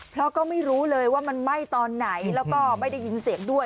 เพราะก็ไม่รู้เลยว่ามันไหม้ตอนไหนแล้วก็ไม่ได้ยินเสียงด้วย